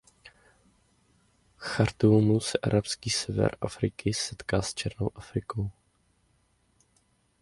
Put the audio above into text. V Chartúmu se arabský sever Afriky setkává s černou Afrikou.